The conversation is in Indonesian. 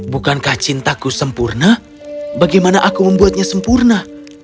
bukankah cintaku sempurna bagaimana aku membuatnya sempurna